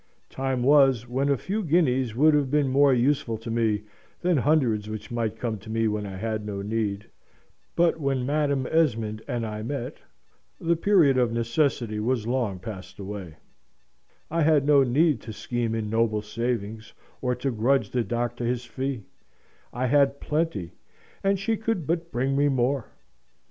Time was when a few guineas would have been more useful to me than hundreds which might come to me when I had no need; but when Madam Esmond and I met, the period of necessity was long passed away; I had no need to scheme ignoble savings, or to grudge the doctor his fee: I had plenty, and she could but bring me more.